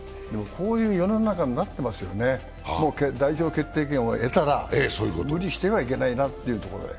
こういう世の中になってますよね、代表決定権を得たら無理してはいけないなというところへ。